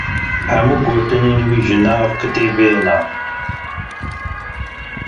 Hemû gotinên wî ji nava kitêbê ne.